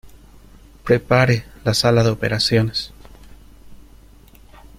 ¡ Prepare la sala de operaciones!